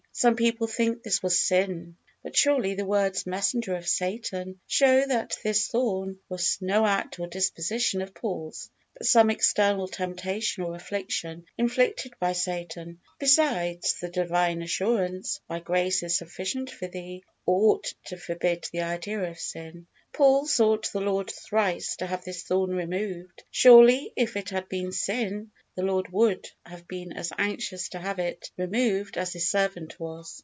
Some people think this was sin; but surely, the words, "messenger of Satan," show that this thorn was no act or disposition of Paul's, but some external temptation or affliction, inflicted by Satan. Besides, the Divine assurance, "My grace is sufficient for thee," ought to forbid the idea of sin. Paul sought the Lord thrice to have this thorn removed; surely if it had been sin, the Lord would, have been as anxious to have it removed as His servant was!